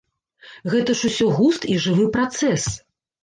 Гэта ж усё густ і жывы працэс.